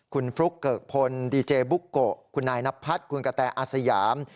คุณฟลุ๊กเกิกพลดีเจบุ๊กโกะคุณนายนพัฒน์คุณกะแตอาสยาม